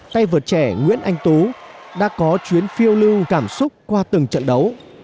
tay vợt trẻ nguyễn anh tú đã có chuyến phiêu lưu cảm xúc qua từng trận đấu